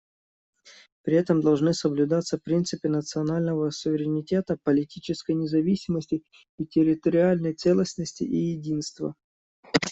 При этом должны соблюдаться принципы национального суверенитета, политической независимости и территориальной целостности и единства.